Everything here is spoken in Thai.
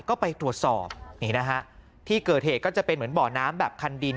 ก็ไปตรวจสอบนี่นะฮะที่เกิดเหตุก็จะเป็นเหมือนบ่อน้ำแบบคันดิน